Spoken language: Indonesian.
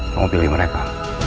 kamu pilih mereka